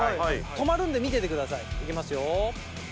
止まるんで見ててください行きますよ。